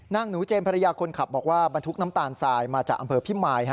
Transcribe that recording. หนูเจมส์ภรรยาคนขับบอกว่าบรรทุกน้ำตาลทรายมาจากอำเภอพิมาย